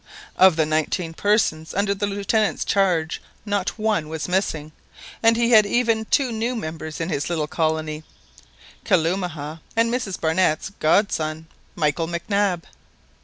Of the nineteen persons under the Lieutenant's charge, not one was missing, and he had even two new members in his little colony, Kalumah and Mrs Barnett's godson, Michael Mac Nab.